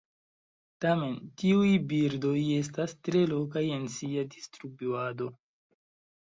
Tamen tiuj birdoj estas tre lokaj en sia distribuado.